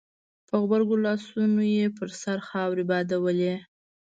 په غبرګو لاسونو يې پر سر خاورې بادولې.